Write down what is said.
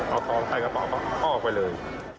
เอาทองใส่กระเป๋าออกไปเลย